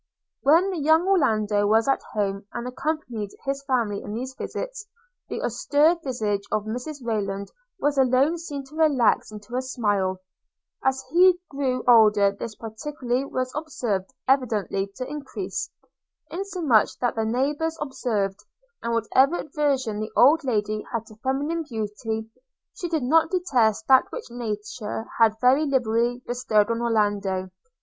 When the young Orlando was at home, and accompanied his family in these visits, the austere visage of Mrs Rayland was alone seen to relax into a smile – and as he grew older, this partiality was observed evidently to increase, insomuch that the neighbours observed, that whatever aversion the old lady had to feminine beauty, she did not detest that which nature had very liberally bestowed on Orlando.